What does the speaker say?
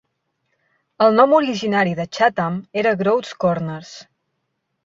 El nom originari de Chatham era Groats Corners.